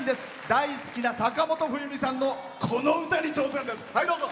大好きな坂本冬美さんのこの歌に挑戦です。